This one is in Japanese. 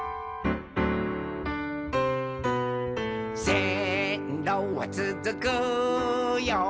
「せんろはつづくよ